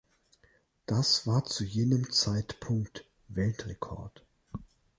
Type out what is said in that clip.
Das war zu jenem Zeitpunkt Weltrekord.